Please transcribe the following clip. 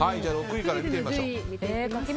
６位から見てみましょう。